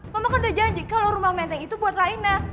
mama kan udah janji kalau rumah menteng itu buat raina